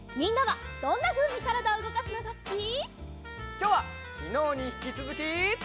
きょうはきのうにひきつづき。